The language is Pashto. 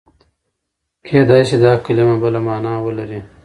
کېدای شي دا کلمه بله مانا ولري.